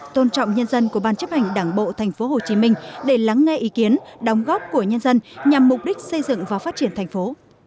tôn trọng nhân dân của ban chấp hành đảng bộ thành phố hồ chí minh để lắng nghe ý kiến đóng góp của nhân dân nhằm mục đích xây dựng và phát triển thành phố